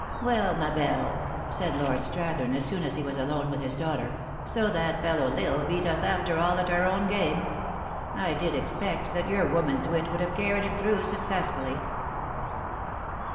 " Well, Ma Belle" said Lord Strathern, as soon as he was alone with his daughter, " so that fellow, L Isle, beat us, after all, at our own game. I did expect that your woman s wit would have carried it through suc cessfully."